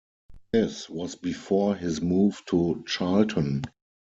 This was before his move to Charlton.